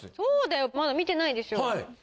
そうだよまだ見てないでしょ。